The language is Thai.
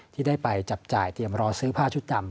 ที่ได้ไปจับจ่ายเตรียมรอซื้อผ้าชุดดำ